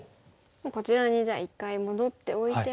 こちらにじゃあ一回戻っておいても。